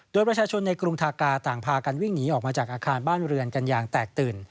โดยประชาชนในกรุงทากาต่างพากันวิ่งหนีออกมาจากอาคารบ้านเรือนกันอย่างแตกตื่น